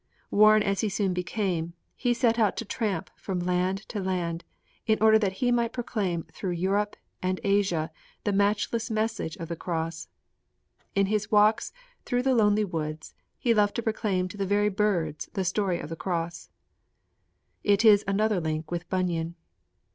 Worn as he soon became, he set out to tramp from land to land in order that he might proclaim through Europe and Asia the matchless message of the Cross. In his walks through the lonely woods he loved to proclaim to the very birds the story of the Cross. It is another link with Bunyan.